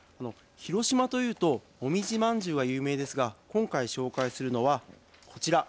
広島というともみじまんじゅうは有名ですが今回紹介するのはこちら。